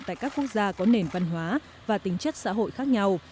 tại các quốc gia có nền văn hóa và tính chất xã hội khác nhau